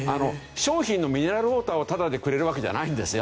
商品のミネラルウォーターをタダでくれるわけじゃないんですよ。